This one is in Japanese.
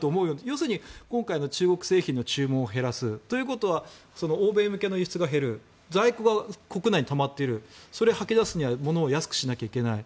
要するに今回の中国製品の注文を減らすということは欧米向けの輸出が減る在庫が国内にたまっているそれを吐き出すには物を安くしないといけない。